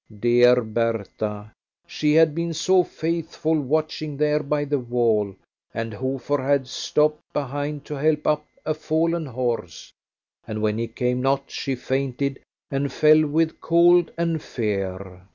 Dear Bertha, she had been so faithful watching there by the wall, and Hofer had stopped behind to help up a fallen horse, and when he came not she fainted and fell with cold and fear.